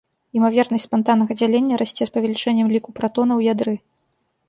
Імавернасць спантаннага дзялення расце з павелічэннем ліку пратонаў у ядры.